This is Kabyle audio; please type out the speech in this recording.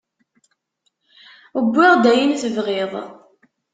Wwiɣ-d ayen tebɣiḍ.